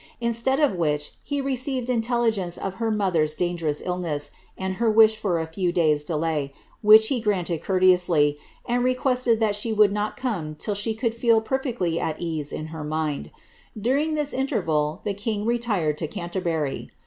Instead of which he received in telligence of her mother^s dangerous illness, and her wish for a few days* delay, which he granted courteously, and requested that she would not come till she could feel perfectly at ease in her mind. During this in terval the king retired to Canterbury.